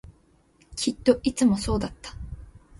きっといつもそうだった